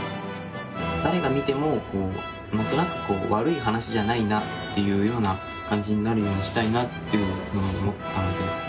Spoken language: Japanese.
誰が見ても何となく悪い話じゃないなっていうような感じになるようにしたいなっていうふうに思ったので。